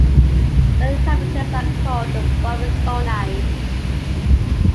The inhabitants are called "Barbizonais".